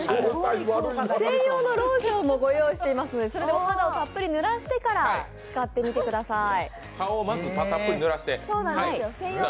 専用のローションもご用意していますのでそれでお肌をたっぷりぬらしてから使ってください。